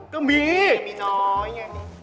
ก็มีมีน้อยไง